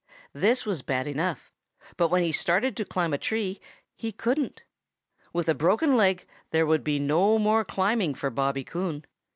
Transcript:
This was bad enough, but when he started to climb a tree, he couldn't. With a broken leg, there would be no more climbing for Bobby Coon.